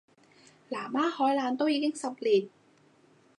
南丫海難都已經十年